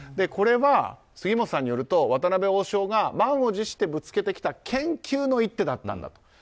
これは杉本さんによると渡辺王将が満を持してぶつけてきた研究の一手だったと。